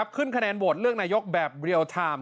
ขึ้นคะแนนโหวตเลือกนายกแบบเรียลไทม์